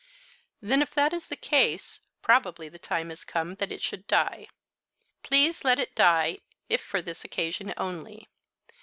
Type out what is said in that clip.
"Then if that is the case, probably the time is come that it should die. Please let it die if for this occasion only.